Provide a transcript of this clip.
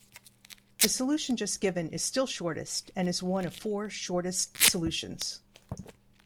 The solution just given is still shortest, and is one of four shortest solutions.